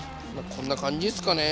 こんな感じですかね。